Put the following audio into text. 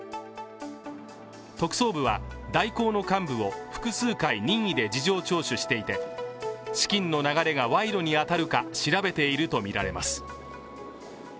特捜部は、大広の幹部を複数回任意で事情聴取していて、資金の流れが賄賂に当たるか調べているとみられます。